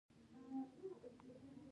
د ژوند په هره برخه کې صبر وکړئ.